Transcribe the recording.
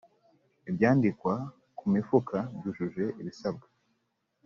ibyandikwa ku mifuka byujuje ibisabwa